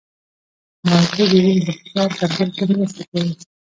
مالټې د وینې د فشار کنټرول کې مرسته کوي.